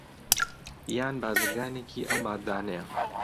یان بازرگانێکی ئەو ماددانەیە